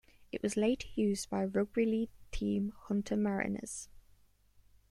It was later used by rugby league team Hunter Mariners.